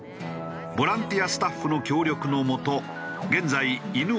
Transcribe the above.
ボランティアスタッフの協力のもと現在犬